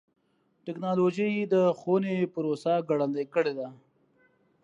ټکنالوجي د ښوونې پروسه ګړندۍ کړې ده.